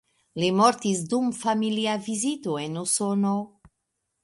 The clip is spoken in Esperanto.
Li mortis dum familia vizito en Usono.